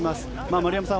丸山さん